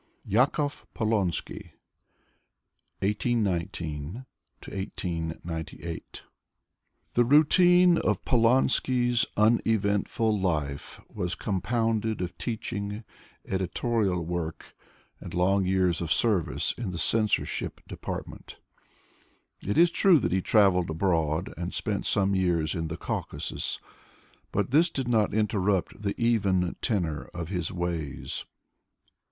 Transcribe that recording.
Yakov Polonsky (1819 1898) The routine of Polonsky's uneventful life was compounded of teaching, editorial work and long years of service in the censorship department. It is true that he traveled abroad and spent some years in the Caucasus, but this did not interrupt the even tenor of his ways.